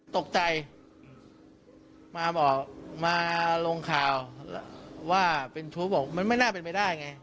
ตกใจมาบอกมาลงข่าวว่าเป็นชู้บอกมันไม่น่าเป็นไปได้ไง